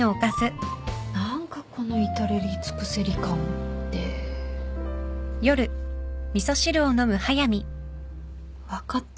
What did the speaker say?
何かこの至れり尽くせり感って。分かった。